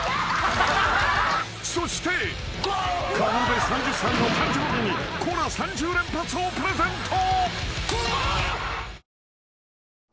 ［そしてかなで３０歳の誕生日にコラ３０連発をプレゼント］